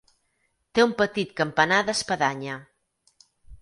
Té un petit campanar d'espadanya.